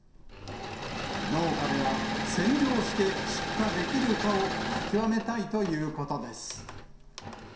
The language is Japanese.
農家では、洗浄して出荷できるかを見極めたいということです。